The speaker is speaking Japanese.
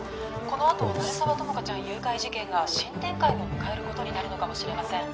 このあと鳴沢友果ちゃん誘拐事件が新展開を迎えることになるのかもしれません